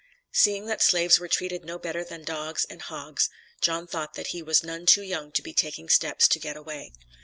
Seeing that slaves were treated no better than dogs and hogs, John thought that he was none too young to be taking steps to get away.